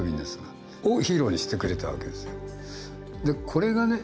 これがね